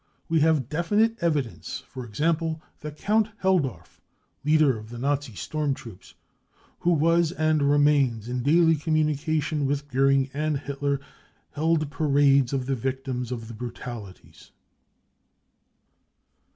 We have definite evidence, for example, that Count Helldorf, leader of the Nazi storm troops, who was and remains in daily com munication with Goering and Hitler, held parades of the victims of the brutalities.